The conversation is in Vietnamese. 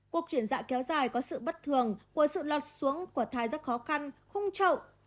cuộc chuyển dạo kéo dài có sự bất thường của sự lọt xuống của thái rất khó khăn khung trậu